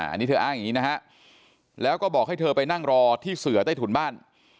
อันนี้เธออ้างอย่างนี้นะฮะแล้วก็บอกให้เธอไปนั่งรอที่เสือใต้ถุนบ้าน